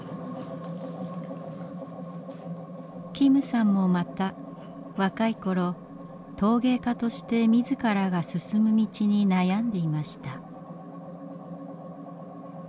金さんもまた若い頃陶芸家として自らが進む道に悩んでいました。